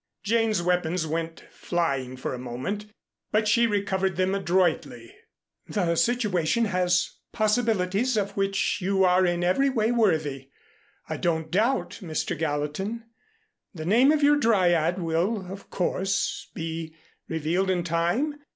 Jane's weapons went flying for a moment, but she recovered them adroitly. "The situation has possibilities of which you are in every way worthy, I don't doubt, Mr. Gallatin. The name of your Dryad will, of course, be revealed in time.